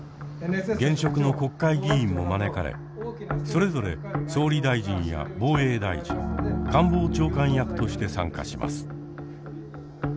現職の国会議員も招かれそれぞれ総理大臣や防衛大臣官房長官役として参加します。